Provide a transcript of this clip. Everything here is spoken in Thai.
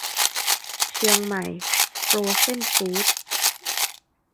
เชียงใหม่โฟรเซ่นฟู้ดส์